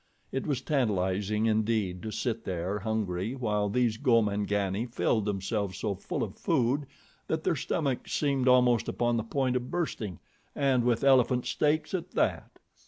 It was tantalizing, indeed, to sit there hungry while these Gomangani filled themselves so full of food that their stomachs seemed almost upon the point of bursting, and with elephant steaks at that!